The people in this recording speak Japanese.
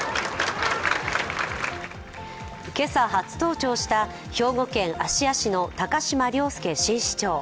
今朝、初登庁した兵庫県芦屋市の高島崚輔新市長。